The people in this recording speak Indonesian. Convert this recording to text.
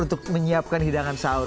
untuk menyiapkan hidangan sahur